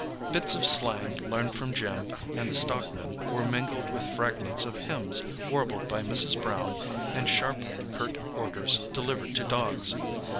Bits of slang learned from Jim and the stockmen were mingled with fragments of hymns warbled by Mrs. Brown and sharp curt orders delivered to dogs.